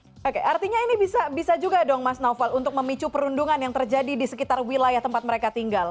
oke artinya ini bisa juga dong mas naufal untuk memicu perundungan yang terjadi di sekitar wilayah tempat mereka tinggal